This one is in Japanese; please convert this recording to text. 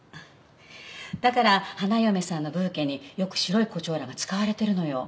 だから花嫁さんのブーケによく白い胡蝶蘭が使われてるのよ。